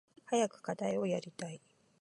早く課題をやりたい。